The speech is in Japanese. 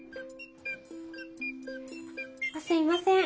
あっすいません。